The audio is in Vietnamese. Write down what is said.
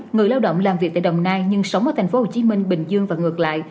người lao động làm việc tại đồng nai nhưng sống ở tp hcm bình dương và ngược lại